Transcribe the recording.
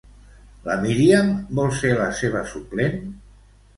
La Miriam vol ser la seva suplent?